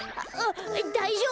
だいじょうぶ？